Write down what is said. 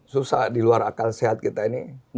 susah di luar akal sehat kita ini